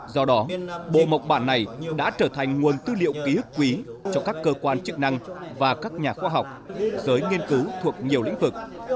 do đó bồ mộc bản này đã trở thành nguồn tư liệu ký ức quý cho các cơ quan chức năng và các nhà khoa học giới nghiên cứu thuộc nhiều lĩnh vực